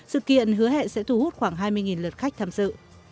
sự kiện hứa hẹn sẽ thu hút khoảng hai mươi lượt khách tham dự